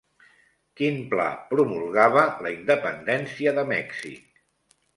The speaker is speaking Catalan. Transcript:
Quin pla promulgava la independència de Mèxic?